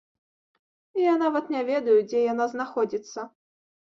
Я нават не ведаю дзе яна знаходзіцца.